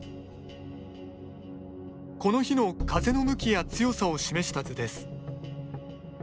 この日の風の向きや強さを示した図です。